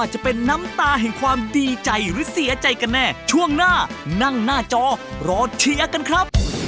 ร้องผิดได้๑คำ